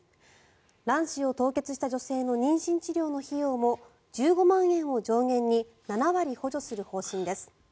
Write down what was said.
卵子を凍結した女性の妊娠治療の費用も１５万円を上限に７割補助する方針です。